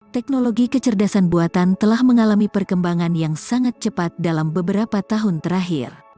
teknologi kecerdasan buatan telah mengalami perkembangan yang sangat cepat dalam beberapa tahun terakhir